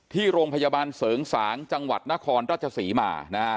ที่โรงพยาบาลเสริงสางจังหวัดนครราชศรีมานะฮะ